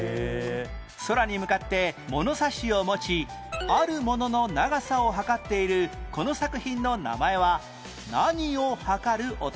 空に向かって物差しを持ちあるものの長さを測っているこの作品の名前は何を測る男？